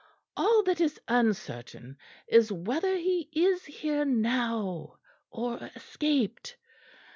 All that is uncertain is whether he is here now or escaped.